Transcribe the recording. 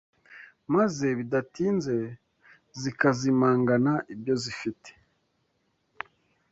maze bidatinze zikazimangana ibyozifite